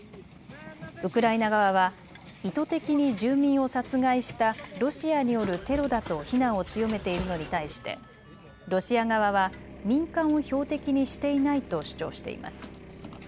ウクライナ側は意図的に住民を殺害したロシアによるテロだと非難を強めているのに対してロシア側は民間を標的にしていないと主張しています。